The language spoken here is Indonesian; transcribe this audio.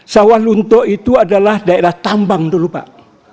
sawah lunto itu adalah daerah tambang dulu pak